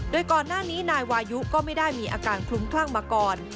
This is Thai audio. โดยก่อนหน้านี้นายวายุก็ไม่ได้มีอาการคลุ้มคลั่งมาก่อน